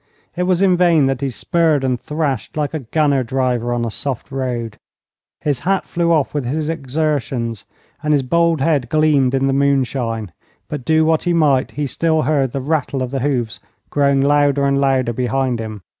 It was in vain that he spurred and thrashed like a gunner driver on a soft road. His hat flew off with his exertions, and his bald head gleamed in the moonshine. But do what he might, he still heard the rattle of the hoofs growing louder and louder behind him.